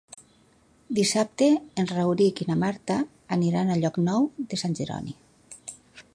Dissabte en Rauric i na Marta aniran a Llocnou de Sant Jeroni.